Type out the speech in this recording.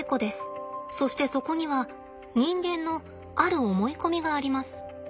そしてそこには人間のある思い込みがあります。